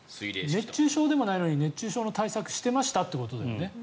熱中症でもないのに熱中症の対策してましたってことだよね。